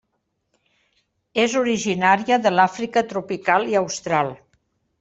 És originària de l'Àfrica tropical i austral.